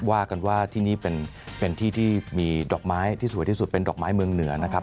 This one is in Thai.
ว่ากันว่าที่นี่เป็นที่ที่มีดอกไม้ที่สวยที่สุดเป็นดอกไม้เมืองเหนือนะครับ